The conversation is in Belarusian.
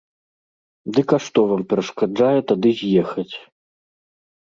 Дык а што вам перашкаджае тады з'ехаць?